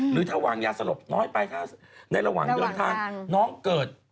หรือถ้าวางยาสลบน้อยไปถ้าในระหว่างเดินทางน้องเกิด